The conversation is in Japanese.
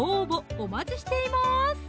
お待ちしています